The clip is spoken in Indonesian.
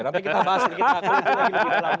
nanti kita bahas sedikit lagi